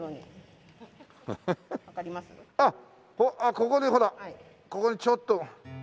ここにほらここにちょっと。